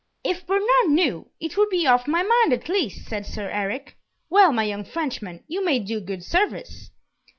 "If Bernard knew, it would be off my mind, at least!" said Sir Eric. "Well, my young Frenchman, you may do good service."